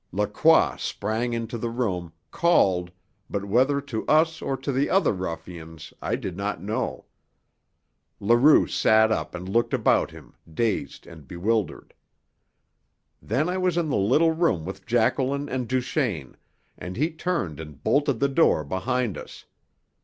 Lacroix sprang into the room, called, but whether to us or to the other ruffians I did not know. Leroux sat up and looked about him, dazed and bewildered. Then I was in the little room with Jacqueline and Duchaine, and he turned and bolted the door behind us.